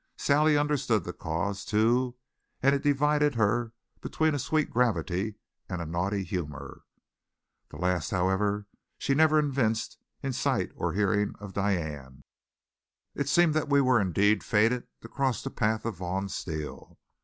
Sally understood the cause, too, and it divided her between a sweet gravity and a naughty humor. The last, however, she never evinced in sight or hearing of Diane. It seemed that we were indeed fated to cross the path of Vaughn Steele.